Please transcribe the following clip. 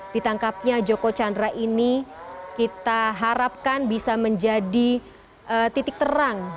ditangkapnya joko chandra ini kita harapkan bisa menjadi titik terang